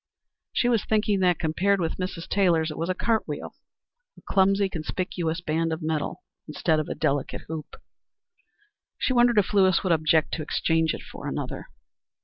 She was thinking that, compared with Mrs. Taylor's, it was a cart wheel a clumsy, conspicuous band of metal, instead of a delicate hoop. She wondered if Lewis would object to exchange it for another.